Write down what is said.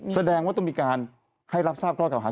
แสดงว่าต้องมีการให้รับทราบข้อเก่าหา